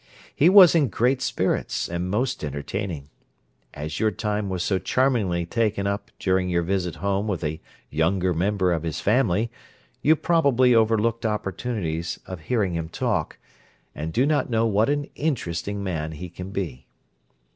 He was in great spirits and most entertaining. As your time was so charmingly taken up during your visit home with a younger member of his family, you probably overlooked opportunities of hearing him talk, and do not know what an interesting man he can be.